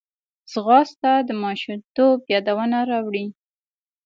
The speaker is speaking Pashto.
ځغاسته د ماشومتوب یادونه راولي